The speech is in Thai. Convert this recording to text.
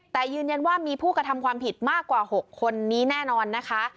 แต่ยืนยันว่ามีผู้กระทำความผิดมากกว่า๖คนนี้แน่นอนนะคะ